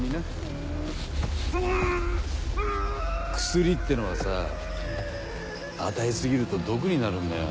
薬ってのはさ与え過ぎると毒になるんだよ。